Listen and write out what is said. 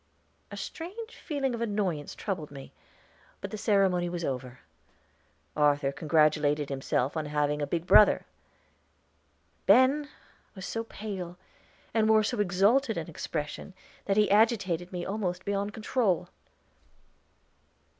A strange feeling of annoyance troubled me, but the ceremony was over. Arthur congratulated himself on having a big brother. Ben was so pale, and wore so exalted an expression, that he agitated me almost beyond control.